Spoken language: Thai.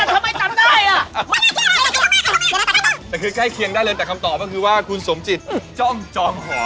แต่คือก่ายเคียงได้เลยกลับมาคือว่าคุณสมจิตจองจองหอ